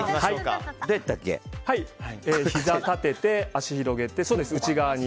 ひざを立てて、足を広げて内側に。